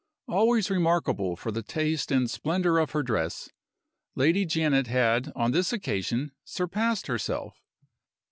Always remarkable for the taste and splendor of her dress, Lady Janet had on this occasion surpassed herself.